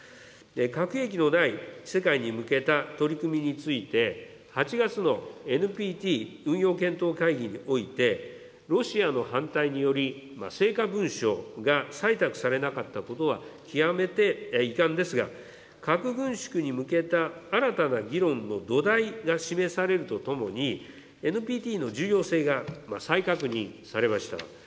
核兵器のない世界に向けた取り組みについて、８月のＮＰＴ運用検討会議において、ロシアの反対により成果文書が採択されなかったことは極めて遺憾ですが、核軍縮に向けた新たな議論の土台が示されるとともに、ＮＰＴの重要性が再確認されました。